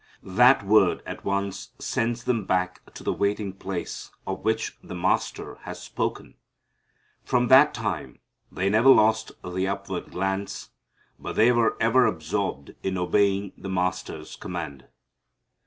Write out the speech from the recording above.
That word at once sends them back to the waiting place of which the Master had spoken. From that time they never lost the upward glance, but they were ever absorbed in obeying the Master's command.